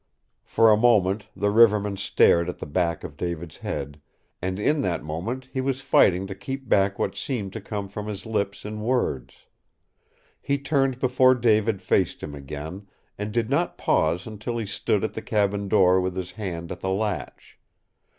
For a moment the riverman stared at the back of David's head, and in that moment he was fighting to keep back what wanted to come from his lips in words. He turned before David faced him again, and did not pause until he stood at the cabin door with his hand at the latch.